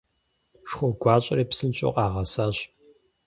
Шху гуащӀэри псынщӀэу къагъэсащ.